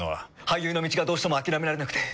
俳優の道がどうしても諦められなくて。